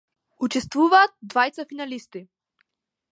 Учествуваат двајца финалисти.